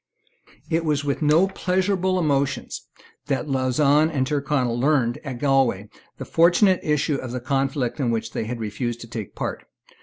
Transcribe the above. It was with no pleasurable emotions that Lauzun and Tyrconnel learned at Galway the fortunate issue of the conflict in which they had refused to take a part.